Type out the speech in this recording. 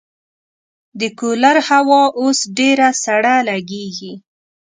د کولر هوا اوس ډېره سړه لګېږي.